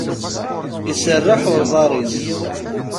Iserreḥ uḍar-is.